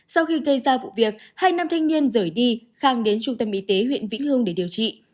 sau khi gây ra vụ việc hai nam thanh niên rời đi khang đến trung tâm y tế huyện vĩnh hương để điều trị